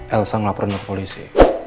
elsa melaporan ke polisi